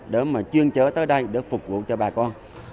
để mà chuyên chở tới đây để phục vụ cho bà con